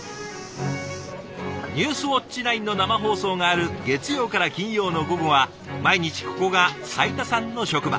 「ニュースウオッチ９」の生放送がある月曜から金曜の午後は毎日ここが斉田さんの職場。